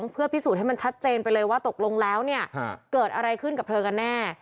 เพื่อพิสูจน์ให้มันชัดเจนไปเลยว่าตกลงแล้วเนี่ยเกิดอะไรขึ้นกับเธอกันแน่